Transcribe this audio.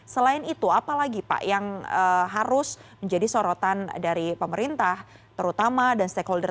selain itu apa lagi pak yang harus menjadi sorotan dari pemerintah terutama dan stakeholder